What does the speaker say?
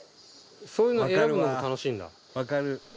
そういうの選ぶのも楽しいんだ？